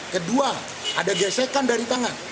kedua ada gesekan dari tangan